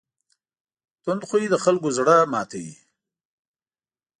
تند خوی د خلکو زړه ماتوي.